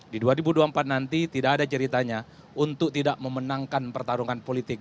di dua ribu dua puluh empat nanti tidak ada ceritanya untuk tidak memenangkan pertarungan politik